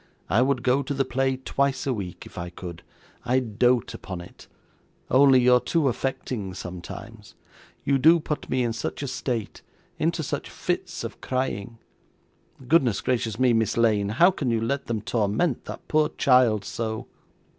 I would go to the play, twice a week if I could: I dote upon it only you're too affecting sometimes. You do put me in such a state into such fits of crying! Goodness gracious me, Miss Lane, how can you let them torment that poor child so!